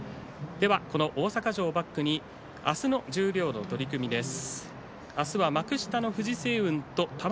この大阪城をバックに明日の十両の取組です。